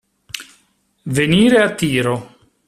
Venire a tiro.